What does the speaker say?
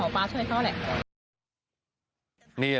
เขาไม่ได้บ้า